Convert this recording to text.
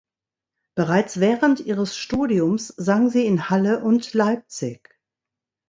Bereits während ihres Studiums sang sie in Halle und Leipzig.